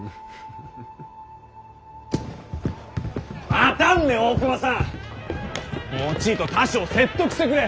待たんね大隈さん！もちいと他省を説得してくれ。